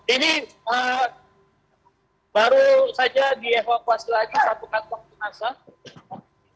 ini baru saja dievakuasi lagi satu kantong jenazah